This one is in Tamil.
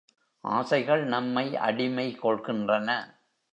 ஆசைகள் நம்மை அடிமை கொள்கின்றன.